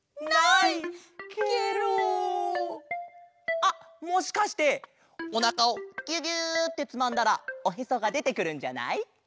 あっもしかしておなかをギュギュッてつまんだらおへそがでてくるんじゃない？